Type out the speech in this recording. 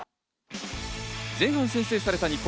前半先制された日本。